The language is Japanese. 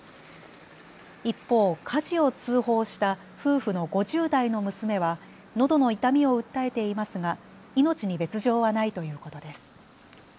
一方、火事を通報した夫婦の５０代の娘はのどの痛みを訴えていますが命に別状はないということです。